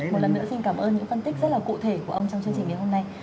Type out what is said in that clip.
một lần nữa xin cảm ơn những phân tích rất là cụ thể của ông trong chương trình ngày hôm nay